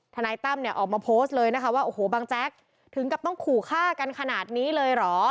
นายตั้มเนี่ยออกมาโพสต์เลยนะคะว่าโอ้โหบางแจ๊กถึงกับต้องขู่ฆ่ากันขนาดนี้เลยเหรอ